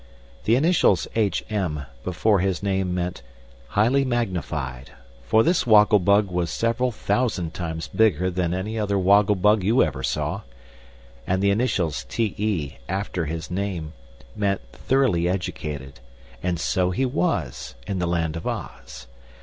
The initials "H. M." before his name meant "Highly Magnified," for this Woggle Bug was several thousand times bigger than any other woggle bug you ever saw. And the initials "T. E." after his named meant "Thoroughly Educated" and so he was, in the Land of Oz.